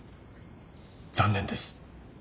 残念です。